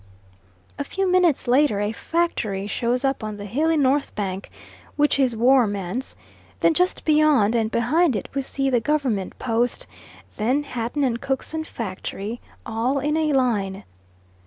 A few minutes later a factory shows up on the hilly north bank, which is Woermann's; then just beyond and behind it we see the Government Post; then Hatton and Cookson's factory, all in a line.